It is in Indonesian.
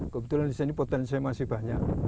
kebetulan di sini potensinya masih banyak